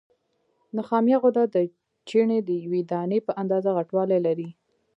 نخامیه غده د چڼې د یوې دانې په اندازه غټوالی لري.